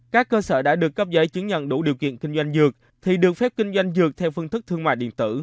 các cơ sở đã được cấp giấy chứng nhận đủ điều kiện kinh doanh dược thì được phép kinh doanh dược theo phương thức thương mại điện tử